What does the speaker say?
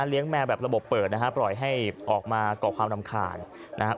แมวแบบระบบเปิดนะฮะปล่อยให้ออกมาก่อความรำคาญนะครับ